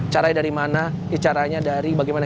caranya dari mana caranya dari bagaimana